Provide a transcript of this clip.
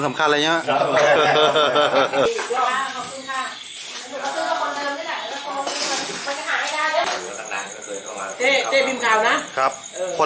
เจ๊บิ๊มพราบนะครับคนละร้านกับพี่บอกผม